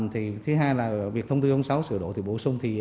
thứ hai là việc thông tư sáu sửa đổ thì bổ sung